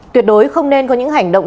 tuyệt đối không nên có những hành động